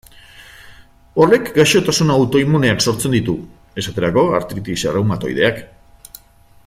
Horrek gaixotasun autoimmuneak sortzen ditu, esterako artritis erreumatoideak.